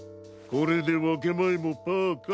これでわけまえもパーか。